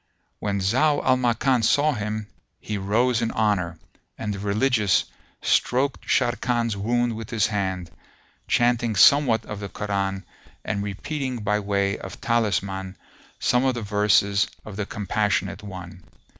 When Zau al Makan saw him, he rose in honour; and the Religious stroked Sharrkan's wound with his hand, chanting somewhat of the Koran and repeating by way of talisman some of the verses of the Compassionate One.